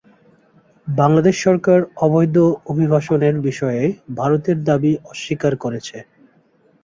বাংলাদেশ সরকার অবৈধ অভিবাসনের বিষয়ে ভারতের দাবি অস্বীকার করেছে।